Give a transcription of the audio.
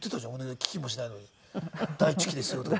聞きもしないのに「大ちゅきですよ」とか。